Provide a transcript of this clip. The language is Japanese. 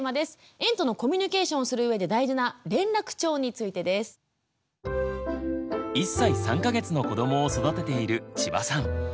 園とのコミュニケーションをする上で大事な「連絡帳」についてです。１歳３か月の子どもを育てている千葉さん。